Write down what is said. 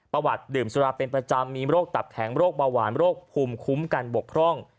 ดื่มสุราเป็นประจำมีโรคตับแข็งโรคเบาหวานโรคภูมิคุ้มกันบกพร่อง